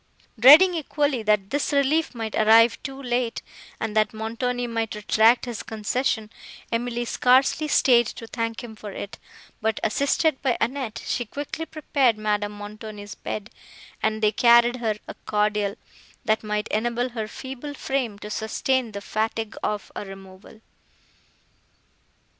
Dreading equally, that this relief might arrive too late, and that Montoni might retract his concession, Emily scarcely staid to thank him for it, but, assisted by Annette, she quickly prepared Madame Montoni's bed, and they carried her a cordial, that might enable her feeble frame to sustain the fatigue of a removal.